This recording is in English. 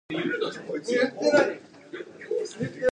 There is an organized boat ride down the narrow canal.